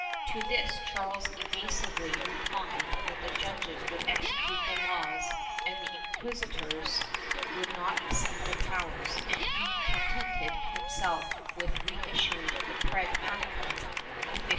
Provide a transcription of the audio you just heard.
To this Charles evasively replied that the judges would execute the laws and the inquisitors would not exceed their powers, and he contented himself with reissuing the pragmatica of 1515.